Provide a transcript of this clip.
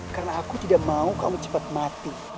karena aku tidak mau kamu cepat mati